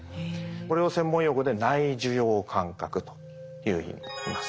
これを専門用語で内受容感覚というふうにいいます。